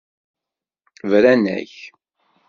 Bran-ak.